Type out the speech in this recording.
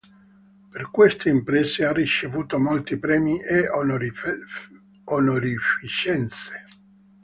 Per queste imprese ha ricevuto molti premi e onorificenze.